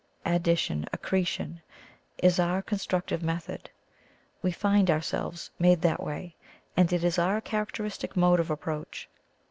Addition, accretion, is our construc tive method. We find ourselves made that way, and it is our characteristic mode of approach.